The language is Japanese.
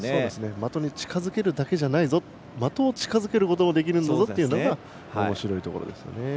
的に近づけるだけじゃなく的を近づけることもできるのがおもしろいところですね。